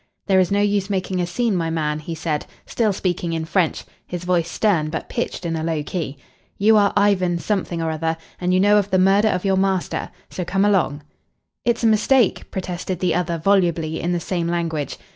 "There is no use making a scene, my man," he said, still speaking in French, his voice stern, but pitched in a low key. "You are Ivan something or other, and you know of the murder of your master. So come along." "It's a mistake," protested the other volubly in the same language.